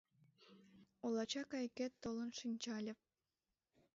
Олача кайыкет толын шинчале.